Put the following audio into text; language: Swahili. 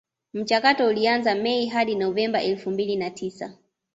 Mchakato ulianza Mei hadi Novemba elfu mbili na tisa